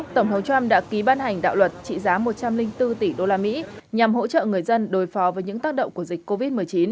tổng thống trump đã ký ban hành đạo luật trị giá một trăm linh bốn tỷ usd nhằm hỗ trợ người dân đối phó với những tác động của dịch covid một mươi chín